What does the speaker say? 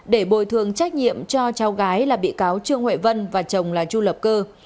để bồi thường trách nhiệm cho cháu gái là bị cáo trương huệ vân và chồng là chu lập cơ